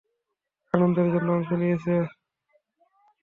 আনন্দের জন্য অংশ নিয়েছে ও।